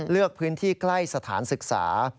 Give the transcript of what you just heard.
เลือกพื้นที่ใกล้สถานศึกษา